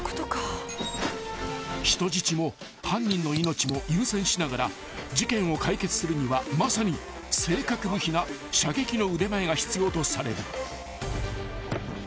［人質も犯人の命も優先しながら事件を解決するにはまさに正確無比な射撃の腕前が必要とされる］